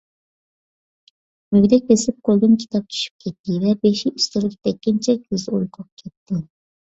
مۈگدەك بېسىپ قولىدىن كىتاب چۈشۈپ كەتتى ۋە بېشى ئۈستەلگە تەگكىنىچە كۆزى ئۇيقۇغا كەتتى.